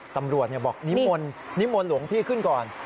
ตำรวจบอกนิมนต์นิมนต์หลวงพี่ขึ้นก่อน